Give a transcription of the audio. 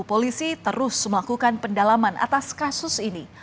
polisi terus melakukan pendalaman atas kasus ini